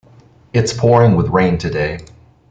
It's pouring with rain today.